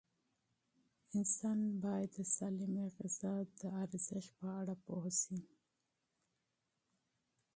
انسان باید د سالمې غذا د اهمیت په اړه پوه شي.